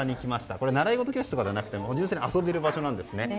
これは習い事教室とかじゃなくて純粋に遊べる場所なんですね。